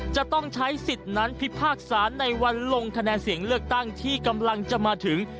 จะต้องใช้สิทธิ์นั้นพิพากษาในวันลงคะแนนเสียงเลือกตั้งที่กำลังจะมาถึง